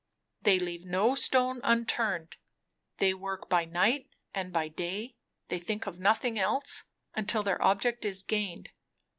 "They leave no stone unturned, they work by night and by day, they think of nothing else, until their object is gained.